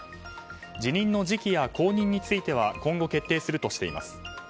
辞任の時期や後任については今後決定するとしています。